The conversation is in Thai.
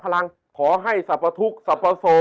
ชื่องนี้ชื่องนี้ชื่องนี้ชื่องนี้